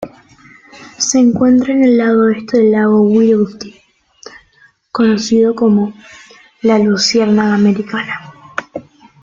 Se encuentra en el lado oeste del lago Willoughby conocido como la "Lucerna americana".